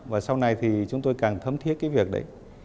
và sau này thì chúng tôi càng thấm thiết cái việc đấy